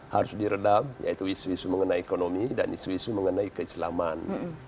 harus diredam yaitu isu isu mengenai ekonomi dan isu isu mengenai kejelaman